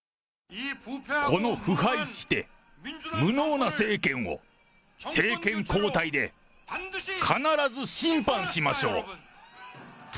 この腐敗して無能な政権を、政権交代で必ず審判しましょう。